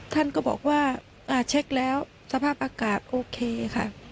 ท่านก็บอกว่าเช็คแล้วสภาพอากาศโอเคค่ะ